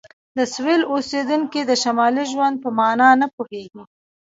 د سویل اوسیدونکي د شمالي ژوند په معنی نه پوهیږي